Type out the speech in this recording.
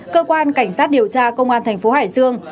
cơ quan cảnh sát điều tra công an thành phố hải dương